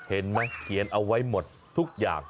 เห็นไหมเขียนเอาไว้หมดทุกอย่าง